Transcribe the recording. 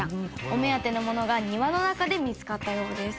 お目当てのものが庭の中で見付かったようです。